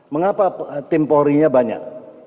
mengapa tim porinya banyak